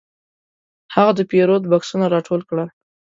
هغه د پیرود بکسونه راټول کړل.